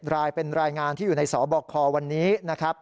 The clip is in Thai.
รายเป็นรายงานที่อยู่ในสบควันนี้นะครับ